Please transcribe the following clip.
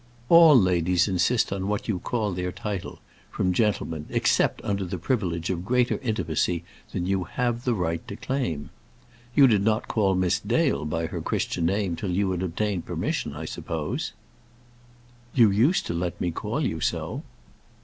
"All ladies insist on what you call their title, from gentlemen, except under the privilege of greater intimacy than you have the right to claim. You did not call Miss Dale by her Christian name till you had obtained permission, I suppose?" "You used to let me call you so."